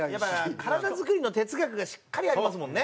体づくりの哲学がしっかりありますもんね